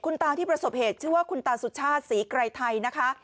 ตาที่ประสบเหตุชื่อว่าคุณตาสุชาติศรีไกรไทยนะคะ